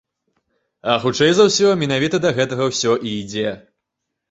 А хутчэй за ўсё, менавіта да гэтага ўсё і ідзе.